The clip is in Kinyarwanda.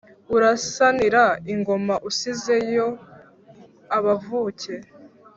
Urasanira ingoma usize yo abavuke